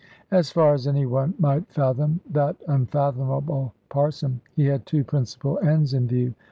As far as any one might fathom that unfathomable Parson, he had two principal ends in view.